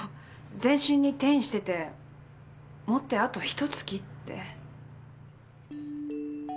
全身に転移しててもってあとひとつきって。